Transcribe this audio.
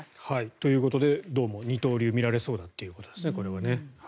ということでどうも二刀流が見られそうだということですね。